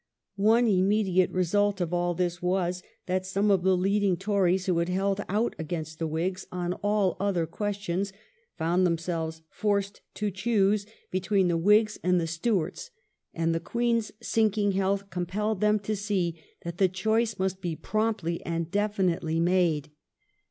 One immediate result of all this was that some of the leading Tories who had held out against the Whigs on all other questions found themselves forced to choose between the Whigs and the Stuarts, and the Queen's sinking health com pelled them to see that the choice must be promptly and definitely made.